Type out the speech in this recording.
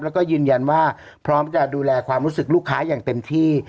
แล้วก็ยืนยันว่าพร้อมจะดูแลความรู้สึกลูกค้าอย่างเต็มที่